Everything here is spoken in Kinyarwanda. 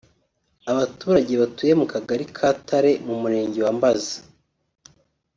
Abaturage batuye mu kagari ka Tare mu murenge wa Mbazi